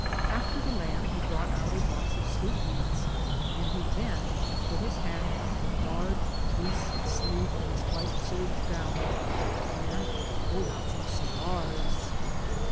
After the lamb he brought out a box of sweetmeats, and he then put his hand up the large loose sleeve of his white serge gown and pulled out some cigars.